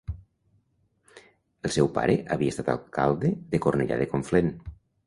El seu pare havia estat alcalde de Cornellà de Conflent.